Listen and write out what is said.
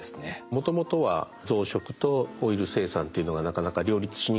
もともとは増殖とオイル生産というのがなかなか両立しにくい。